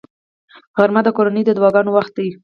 غرمه د کورنیو دعاګانو وخت دی